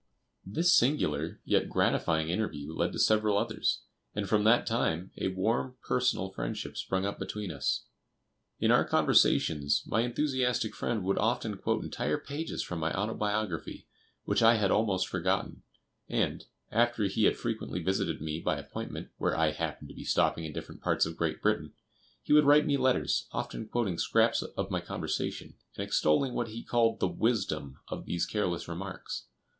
This singular yet gratifying interview led to several others, and from that time a warm personal friendship sprung up between us. In our conversations, my enthusiastic friend would often quote entire pages from my autobiography, which I had almost forgotten; and, after he had frequently visited me by appointment where I happened to be stopping in different parts of Great Britain, he would write me letters, often quoting scraps of my conversation, and extolling what he called the "wisdom" of these careless remarks.